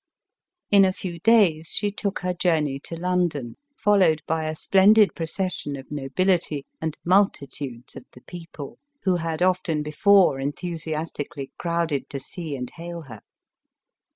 . In a few days, she took her journey to London, fol lowed by a splendid procession of nobility and multi tudes of the people, who had often before enthusiasti cally crowded to see and hail her.